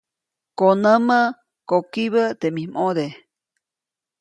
Konämä, kokibä teʼ mij ʼmode.